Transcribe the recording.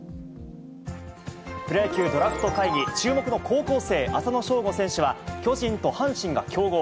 プロ野球ドラフト会議、注目の高校生、浅野翔吾選手は、巨人と阪神が競合。